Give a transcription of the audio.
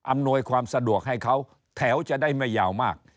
อำนวยความสะดวกให้เขาแถวจะได้ไม่ยาวมาก